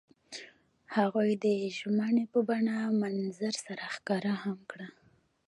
هغوی د ژمنې په بڼه منظر سره ښکاره هم کړه.